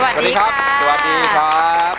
สวัสดีครับ